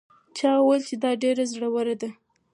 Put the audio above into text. چا وویل چې دا ډېره زړه وره ده.